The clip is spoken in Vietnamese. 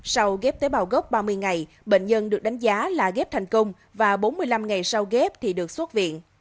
sau ghép tế bào gốc ba mươi ngày bệnh nhân được đánh giá là ghép thành công và bốn mươi năm ngày sau ghép thì được xuất viện